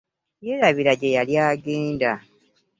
Yerabira gye yali agenda.